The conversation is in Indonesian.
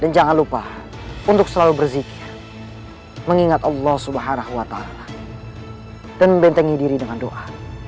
dan jangan lupa untuk selalu berzikir mengingat allah swt dan membentengi diri dengan doa